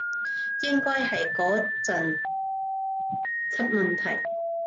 應該係嗰陣出問題